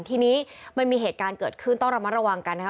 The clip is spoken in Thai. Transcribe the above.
ทีนี้มันมีเหตุการณ์เกิดขึ้นต้องระมัดระวังกันนะคะ